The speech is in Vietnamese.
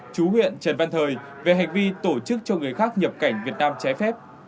chú huyện trần văn thời về hành vi tổ chức cho người khác nhập cảnh việt nam trái phép